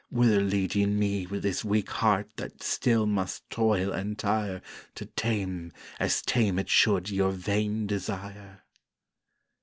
whither lead ye me With this weak heart that still must toil and tire To tame (as tame it should) your vain Desire?